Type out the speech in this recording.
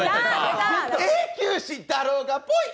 永久歯だろうがポイ！